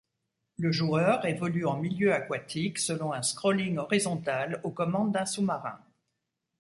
Le joueur évolue en milieu aquatique selon un scrolling horizontal aux commandes d'un sous-marin.